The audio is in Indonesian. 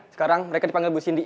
sekarang mereka dipanggil bu sindi